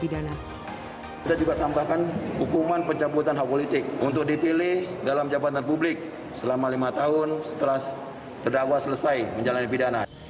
dakuat selesai menjalani hukuman pidana